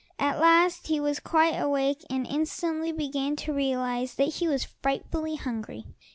At last he was quite awake and instantly began to realize that he was frightfully hungry.